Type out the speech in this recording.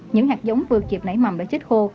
những hạt giống vượt dịp nảy mầm đã chết khô